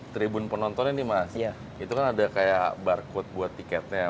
dari bun penonton ini mas itu kan ada kayak barcode buat tiketnya